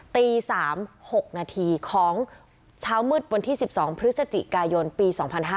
ตี๓๖นาทีของเช้ามืดวันที่๑๒พฤศจิกายนปี๒๕๕๙